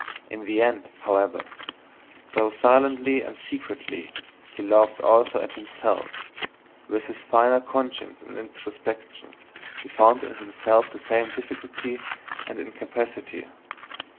In the end, however, though silently and secretly, he laughed also at himself: with his finer conscience and introspection, he found in himself the same difficulty and incapacity.